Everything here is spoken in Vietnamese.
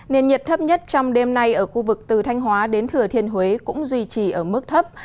nền nhiệt thấp nhất trong đêm nay ở khu vực từ thanh hóa đến thừa thiên huế cũng duy trì ở mức thấp